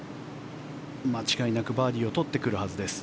間違いなくバーディーを取ってくるはずです。